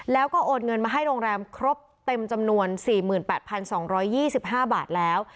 แล้วก็โอนเงินมาให้โรงแรมครบเต็มจำนวน๔๘๒๒๕บาทแล้ว